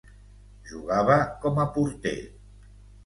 Jugava com a porter.